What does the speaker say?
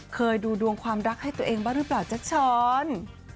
เคยดูดวงความรักให้ตัวเองบ้างหรือเปล่าแจ๊กช้อน